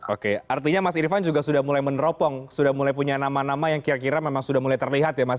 oke artinya mas irvan juga sudah mulai meneropong sudah mulai punya nama nama yang kira kira memang sudah mulai terlihat ya mas